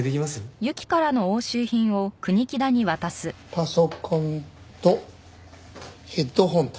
パソコンとヘッドホンと。